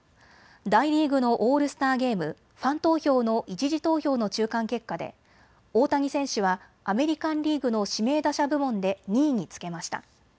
大リーグのオールスターゲーム、ファン投票の１次投票の中間結果で大谷選手はアメリカンリーグの指名打者部門で２位につけました。